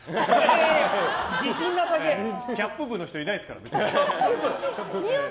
キャップ部の人いないですから。